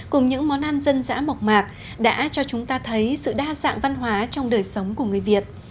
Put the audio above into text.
cùng những món ăn dân dã mộc mạc đã cho chúng ta thấy sự đa dạng văn hóa trong đời sống của người việt